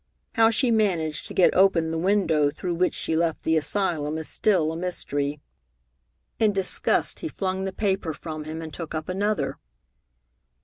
How she managed to get open the window through which she left the asylum is still a mystery. In disgust he flung the paper from him and took up another.